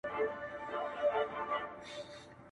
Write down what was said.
چی یې مرگ نه دی منلی په جهان کي،